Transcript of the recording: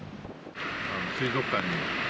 水族館に。